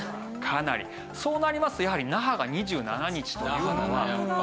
そうなりますとやはり那覇が２７日というのは。